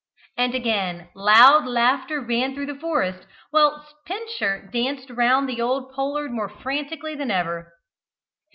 And again loud laughter ran through the forest, whilst Pincher danced round the old pollard more frantically than ever.